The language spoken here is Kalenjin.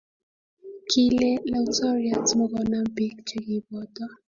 kile lautoriat mokonam biik che kiboto.